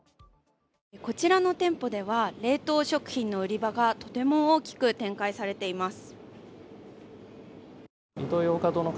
こちらの店舗では冷凍食品の売り場がとても大きく展開されています。